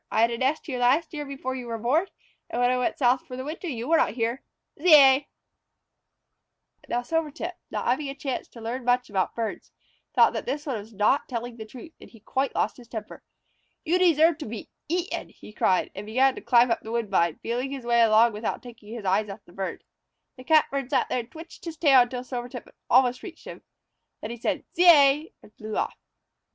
I had a nest here last year before you were born, and when I went south for the winter you were not here. Zeay!" Now Silvertip, not having had a chance to learn much about birds, thought that this one was not telling the truth, and he quite lost his temper. "You deserve to be eaten," he cried, and he began to climb up the woodbine, feeling his way along without taking his eyes from the Catbird. The Catbird sat there and twitched his tail until Silvertip had almost reached him. Then he said, "Zeay!" and flew off.